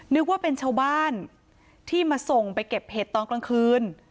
นึกว่าเป็นชาวบ้านที่มาส่งไปเก็บเห็ดตอนกลางคืน